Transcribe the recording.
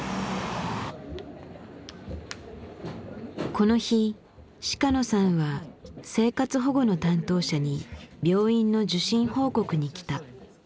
この日鹿野さんは生活保護の担当者に病院の受診報告に来た。